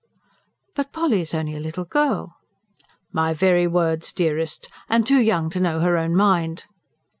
"But Polly is only a little girl!" "My very words, dearest. And too young to know her own mind."